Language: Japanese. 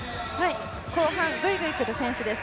後半、ぐいぐい来る選手です